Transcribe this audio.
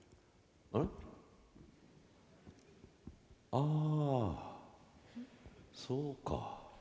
あそうか。